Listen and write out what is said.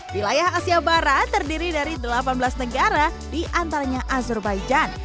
wilayah asia barat terdiri dari delapan belas negara di antaranya azerbaijan